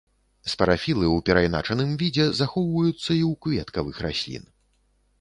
Спарафілы ў перайначаным відзе захоўваюцца і ў кветкавых раслін.